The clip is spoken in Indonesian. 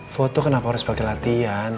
foto kenapa harus pakai latihan